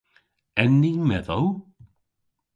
En ni medhow?